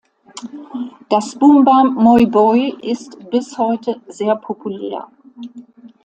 Das Bumba-meu-boi ist bis heute sehr populär.